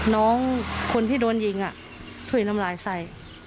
น้องคนที่โดนยิงถุยน้ำลายใส่